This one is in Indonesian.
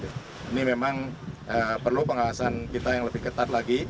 ini memang perlu pengawasan kita yang lebih ketat lagi